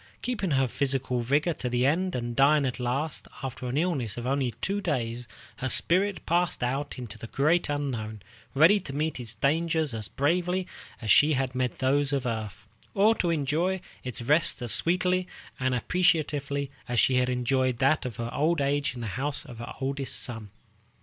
Keeping her physical vigor to the end, and dying at last, after an illness of only two days, her spirit passed out into the great unknown, ready to meet its dangers as bravely as she had met those of earth, or to enjoy its rest as sweetly and appreciatively as she had enjoyed that of her old age in the house of her oldest son.